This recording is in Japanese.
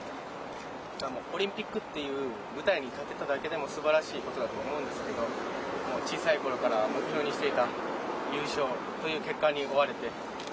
オリンピックという舞台に立てただけでも素晴らしいことだと思うんですけど小さいころから目標にしていた優勝という結果に終われて。